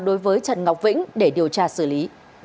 đối với trần ngọc vĩnh để điều tra xử lý